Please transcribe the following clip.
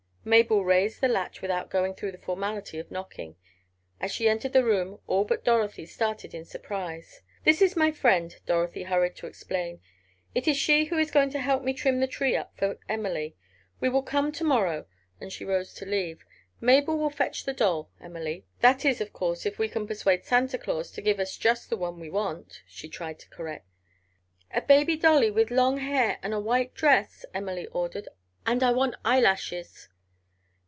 Mabel raised the latch without going through the formality of knocking. As she entered the room, all but Dorothy started in surprise. "This is my friend," Dorothy hurried to explain, "it is she who is going to help me trim the tree up for Emily. We will come to morrow," and she rose to leave. "Mabel will fetch the doll, Emily. That is, of course, if we can persuade Santa Claus to give us just the kind we want," she tried to correct. "A baby dolly—with long hair and a white dress," Emily ordered. "And I want eyelashes."